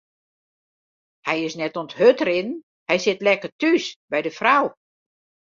Hy is net oan it hurdrinnen, hy sit lekker thús by de frou.